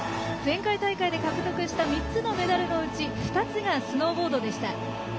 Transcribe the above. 前回大会で獲得した３つのメダルのうち２つがスノーボードでした。